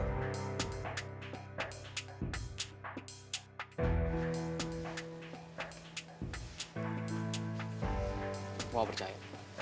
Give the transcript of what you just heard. gue gak percaya